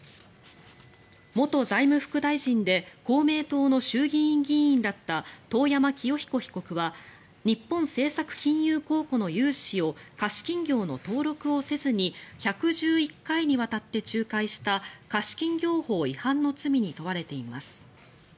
元財務副大臣で公明党の衆議院議員だった遠山清彦被告は日本政策金融公庫の融資を貸金業の登録をせずに１１１回にわたって仲介した貸金業法違反の罪に問われています。